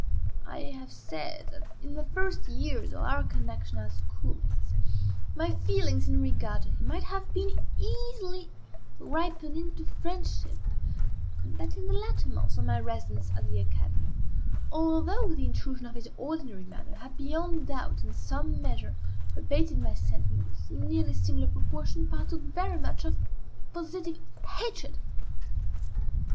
I have said that, in the first years of our connection as schoolmates, my feelings in regard to him might have been easily ripened into friendship; but, in the latter months of my residence at the academy, although the intrusion of his ordinary manner had, beyond doubt, in some measure abated, my sentiments, in nearly similar proportion, partook very much of positive hatred.